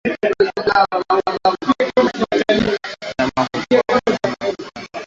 Mnyama kutokwa na vidonda kwenye kwato ni dalili muhimu ya ugonjwa wa miguu na midomo